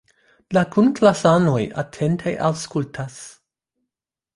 La kunklasanoj atente aŭskultas.